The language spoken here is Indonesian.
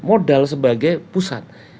modal sebagai pusat